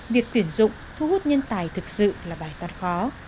việc tuyển dụng thu hút nhân tài thực sự là bài toán khó